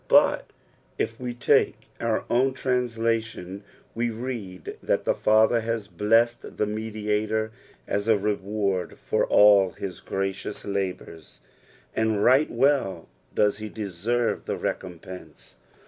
But if WE take our own trsnBlation, we read that the Psther has blessed the Mediator as a reward for all his gracious labours ; and right well does he deserve the recompense.